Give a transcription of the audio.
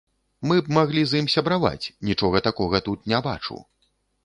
Мы б маглі з ім сябраваць, нічога такога тут не бачу.